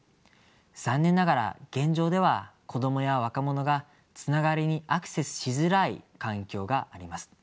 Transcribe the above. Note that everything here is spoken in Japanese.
残念ながら現状では子どもや若者がつながりにアクセスしづらい環境があります。